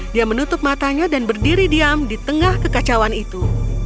dia menutup matanya dan berdiri diam di tengah kekacauan itu